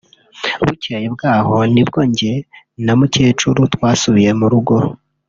bukeye bwaho nibwo njye na mukecuru twasubiye mu rugo